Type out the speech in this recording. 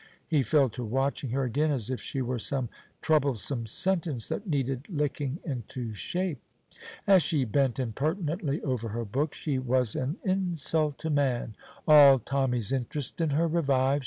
He fell to watching her again, as if she were some troublesome sentence that needed licking into shape. As she bent impertinently over her book, she was an insult to man. All Tommy's interest in her revived.